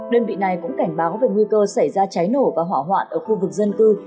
đơn vị này cũng cảnh báo về nguy cơ xảy ra cháy nổ và hỏa hoạn ở khu vực dân cư